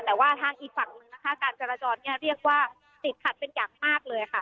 แต่ว่าทางอีกฝั่งหนึ่งนะคะการจราจรเนี่ยเรียกว่าติดขัดเป็นอย่างมากเลยค่ะ